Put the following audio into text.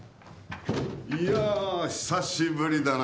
いや久しぶりだな。